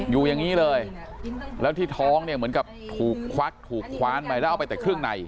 อยู่อย่างนี้เลยแล้วที่ท้องเนี่ยเหมือนกับถูกควักถูกคว้านไปแล้วเอาไปแต่เครื่องใน